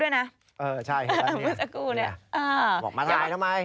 อืมมาทำไม